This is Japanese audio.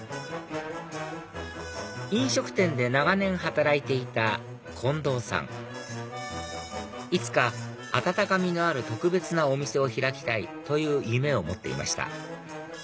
飲食店で長年働いていた近藤さんいつか温かみのある特別なお店を開きたいという夢を持っていました